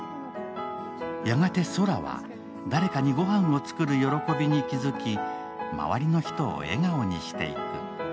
やがて宙は、誰かに御飯を作る喜びに気づき、周りの人を笑顔にしていく。